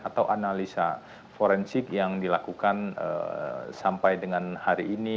atau analisa forensik yang dilakukan sampai dengan hari ini